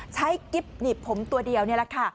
กิ๊บหนีบผมตัวเดียวนี่แหละค่ะ